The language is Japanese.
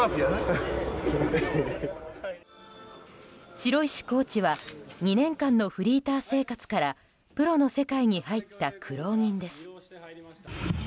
城石コーチは２年間のフリーター生活からプロの世界に入った苦労人です。